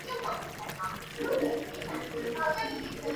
大多数人都认为气温的持续上升将导致更多的珊瑚白化现象。